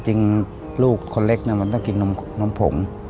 จริงลูกคนเล็กมันต้องกินนมผง